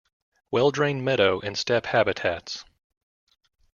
Well-drained meadow and steppe habitats.